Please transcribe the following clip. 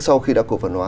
sau khi đã cổ phần hóa